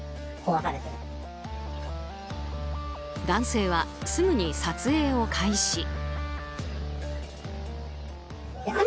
男性はすぐに撮影を開始。